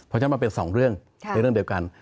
เพราะฉะนั้นมันเป็น๒เรื่องในเรื่องเดียวกัน